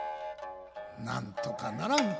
「なんとかならんか？